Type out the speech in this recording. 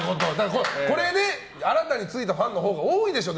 新たについたファンのほうが多いでしょう